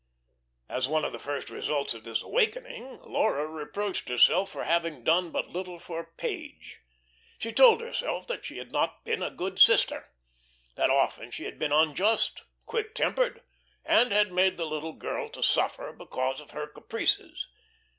As one of the first results of this awakening, Laura reproached herself with having done but little for Page. She told herself that she had not been a good sister, that often she had been unjust, quick tempered, and had made the little girl to suffer because of her caprices.